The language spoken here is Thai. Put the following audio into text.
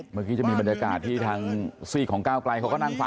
เมื่อกี้จะมีบรรยากาศที่ทางซีกของก้าวไกลเขาก็นั่งฟัง